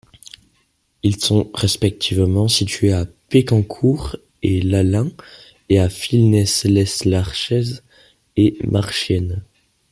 Ils sont respectivement situés à Pecquencourt et Lallaing, et à Flines-lez-Raches et Marchiennes.